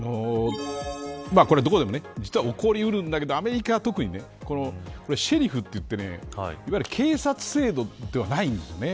どこでも実は起こりうるんだけどアメリカは特にねシェリフといって、いわゆる警察制度ではないんですよね。